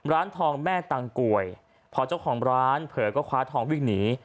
ร้านทองแม่ตังกวยพอเจ้าของร้านเผลอก็คว้าทองวิ่งหนี